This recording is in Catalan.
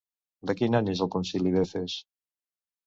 De quin any és el Concili d'Efes?